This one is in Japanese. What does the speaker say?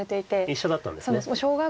一緒だったんですね。